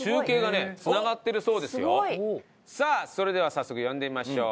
すごい！さあそれでは早速呼んでみましょう。